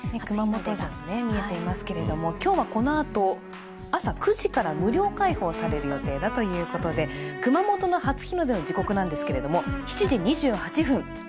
熊本城が見えていますけれども、今日は、このあと朝９時から無料開放される予定だということで、熊本の初日の出の時刻なんですけれども、７時２８分。